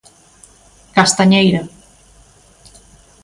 Castañeira.